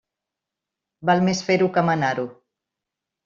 Val més fer-ho que manar-ho.